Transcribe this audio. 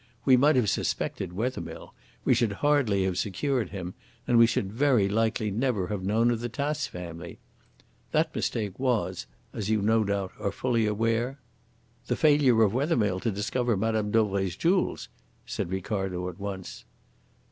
We might have suspected Wethermill; we should hardly have secured him, and we should very likely never have known of the Tace family. That mistake was, as you no doubt are fully aware " "The failure of Wethermill to discover Mme. Dauvray's jewels," said Ricardo at once.